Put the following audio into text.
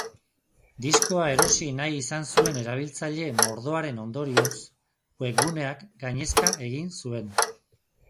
Diskoa erosi nahi izan zuen erabiltzaile mordoaren ondorioz, webguneak gainezka egin zuen.